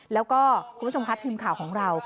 แล้วก็คุณผู้ชมคะทีมข่าวของเรา